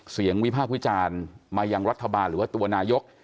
เสียงวิภาพวิจารณ์มายังรัฐบาลหรือว่าตัวนายก